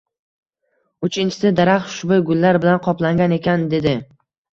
Uchinchisi Daraxt xushbo`y gullar bilan qoplangan ekan dedi